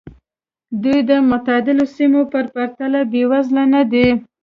دوی د معتدلو سیمو په پرتله بېوزله نه دي.